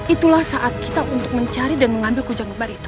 itulah saat kita untuk mencari dan mengambil kujang kebalik